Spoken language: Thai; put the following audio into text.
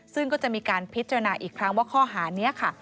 ซึ่งก็จะมีการพิจารณาอีกครั้งว่าข้อหานี้ค่ะ